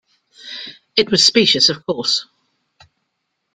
It was specious, of course.